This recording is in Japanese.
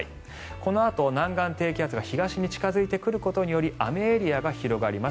このあと南岸低気圧が東に近付いてくることにより雨エリアが広がります。